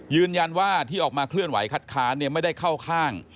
ยืนยันว่าที่ออกมาเคลื่อนไหคัดค้านไม่ได้เข้าข้าง